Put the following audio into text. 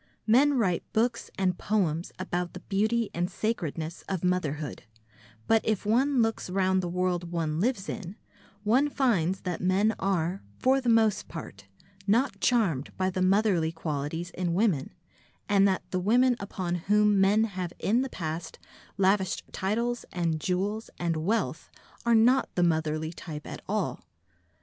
Men write books and poems about the beauty and sacredness of motherhood, but if one looks round the world one lives in, one finds that men are, for the most part, not charmed by the motherly qualities in women, and that the women upon whom men have in the past lavished titles and jewels and wealth are not the motherly type at all.